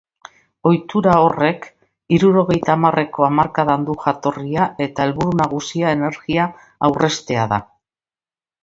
Ohitura horrek hirurogeita hamarreko hamarkadan du jatorria eta helburu nagusia energia aurreztea da.